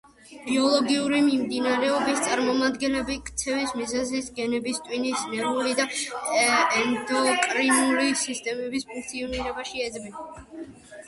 ბიოლოგიური მიმდინარეობის წარმომადგენლები ქცევის მიზეზს გენების, ტვინის, ნერვული და ენდოკრინული სისტემების ფუნქციონირებაში ეძებენ.